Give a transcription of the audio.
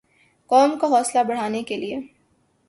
قوم کا حوصلہ بڑھانے کیلئے